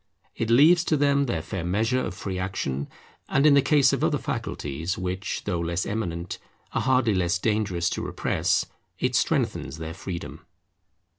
It leaves to them their fair measure of free action; and in the case of other faculties which, though less eminent, are hardly less dangerous to repress, it strengthens their freedom.